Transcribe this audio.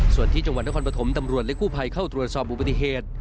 ส่วนที่จังหวัดนครปฐมตำรวจและกู้ภัยเข้าตรวจสอบอุบัติเหตุ